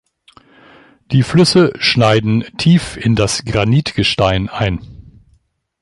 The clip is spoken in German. Die Flüsse schneiden tief in das Granitgestein ein.